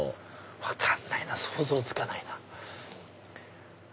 分かんないな想像つかないな。